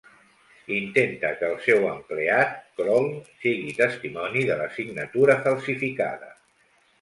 Intenta que el seu empleat, Croll, sigui testimoni de la signatura falsificada.